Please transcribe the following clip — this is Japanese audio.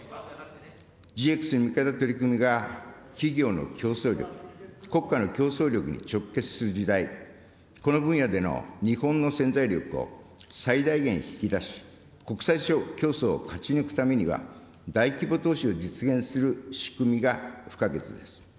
ＧＸに向けた取り組みが、企業の競争力、国家の競争力に直結する時代、この分野での日本の潜在力を最大限引き出し、国際競争を勝ち抜くためには、大規模投資を実現する仕組みが不可欠です。